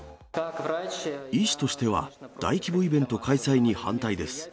医師としては、大規模イベント開催に反対です。